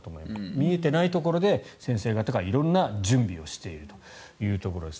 見えていないところで先生方が色んな準備をしているというところです。